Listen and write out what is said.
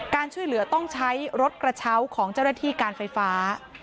การช่วยเหลือต้องใช้รถกระเช้าของเจ้าหน้าที่การไฟฟ้า